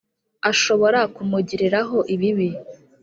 Ashobora kumugiriraho ibibi.